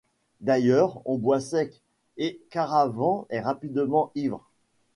D’ailleurs, on boit sec, et Caravan est rapidement ivre.